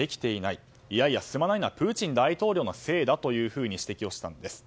いやいや、進まないのはプーチン大統領のせいだと指摘をしたんです。